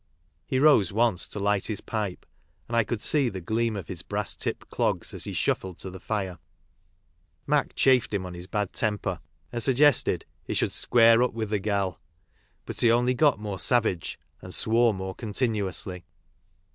He rose once to light his pipe, and I could see the gleam of his brass tipped clogs as he shuffled to the fire. Mac chaffed him on his bad temper, and sug gested he should " square up with the gal," but he only got more savage and swore more continuously.